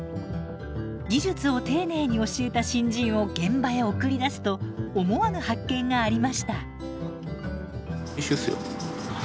技術を丁寧に教えた新人を現場へ送り出すと思わぬ発見がありました。